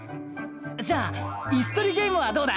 じゃあイスとりゲームはどうだ？